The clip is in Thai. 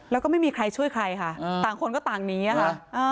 แล้วก็ไม่มีใครช่วยใครค่ะต่างคนก็ต่างหนีค่ะ